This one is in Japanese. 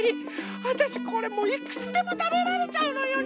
わたしこれもういくつでもたべられちゃうのよね！